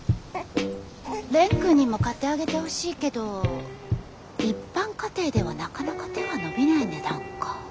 蓮くんにも買ってあげてほしいけど一般家庭ではなかなか手が伸びない値段か。